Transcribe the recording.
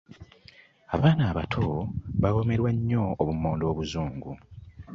Abaana abato bawoomerwa nnyo obummonde obuzungu.